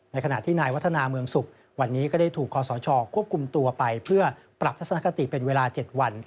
ขณะที่นายวัฒนาเมืองสุขวันนี้ก็ได้ถูกคอสชควบคุมตัวไปเพื่อปรับทัศนคติเป็นเวลา๗วัน